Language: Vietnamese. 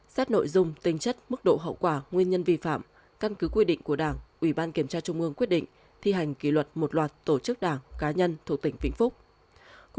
xét nội dung tính chất mức độ hậu quả nguyên nhân vi phạm căn cứ quy định của đảng ủy ban kiểm tra trung ương quyết định thi hành kỷ luật một loạt tổ chức đảng cá nhân thuộc tỉnh vĩnh phúc